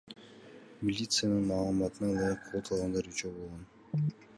Милициянын маалыматына ылайык, кол салгандар үчөө болгон.